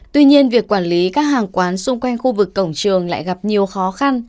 tuy nhiên việc quản lý các hàng quán xung quanh khu vực cổng trường lại gặp nhiều khó khăn